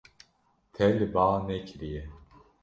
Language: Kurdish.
Te li ba nekiriye.